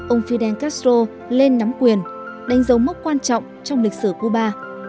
ông fidel castro lên nắm quyền đánh dấu mốc quan trọng trong lịch sử cuba